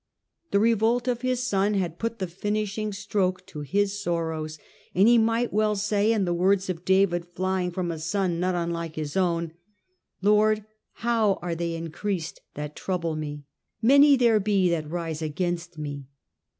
The revolt of his son had put the finishing stroke to his sorrows, and he might well say, in the words of David flying from a son not unlike his own, ' Lord, how are they increased that trouble me ! many there be that rise against me.'